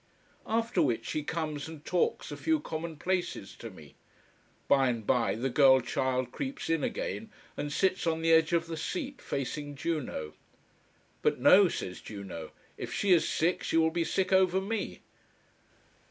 After which he comes and talks a few common places to me. By and by the girl child creeps in again and sits on the edge of the seat facing Juno. But no, says Juno, if she is sick she will be sick over me.